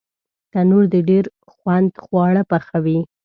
تنور د ډېر خوند خواړه پخوي